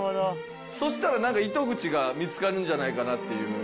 そしたら糸口が見つかるんじゃないかなっていう。